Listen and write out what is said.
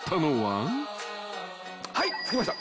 はい着きました。